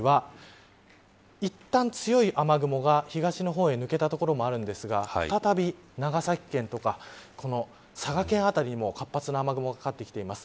そして、現在はいったん強い雨雲が東の方へ抜けた所もあるんですが再び長崎県とか佐賀県辺りも活発な雨雲がかかってきています。